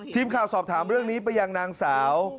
ทีมข่าวสอบถามเรื่องนี้ไปยังนางสาว